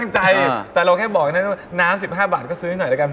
ใช่แล้วก็มีเป๊กแบงค์พันธุ์อีกครับ